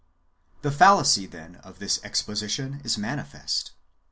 The fallacy, then, of this exposition is manifest.